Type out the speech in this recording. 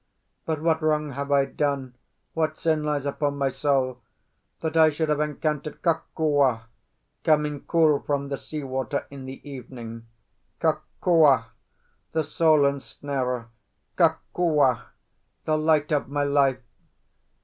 But what wrong have I done, what sin lies upon my soul, that I should have encountered Kokua coming cool from the sea water in the evening? Kokua, the soul ensnarer! Kokua, the light of my life!